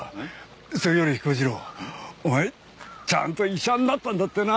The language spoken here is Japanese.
それより彦次郎お前ちゃんと医者になったんだってな。